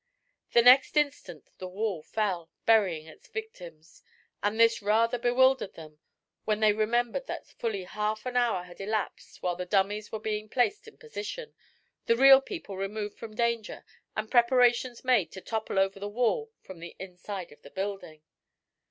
The next instant the wall fell, burying its victims, and this rather bewildered them when they remembered that fully half an hour had elapsed while the dummies were being placed in position, the real people removed from danger and preparations made to topple over the wall from the inside of the building.